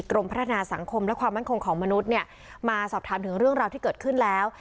กรมพัฒนาสังคมและความมั่นคงของมนุษย์เนี่ยมาสอบถามถึงเรื่องราวที่เกิดขึ้นแล้ว